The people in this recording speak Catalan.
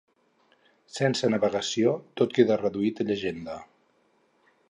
Sense navegació tot queda reduït a llegenda.